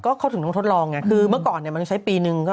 ก็เขาถึงต้องทดลองคือเมื่อก่อนมันใช้ปีนึง